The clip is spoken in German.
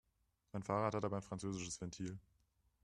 Mein Fahrrad hat aber ein französisches Ventil.